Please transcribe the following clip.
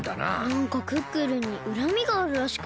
なんかクックルンにうらみがあるらしくて。